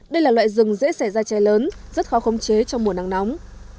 đây là loại rừng dễ xẻ ra chai lớn rất khó khống chế trong mùa nắng nóng